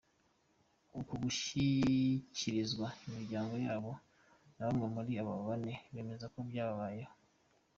Uku gushyikirizwa imiryango yabo, na bamwe muri aba bana bemeza ko byabayeho.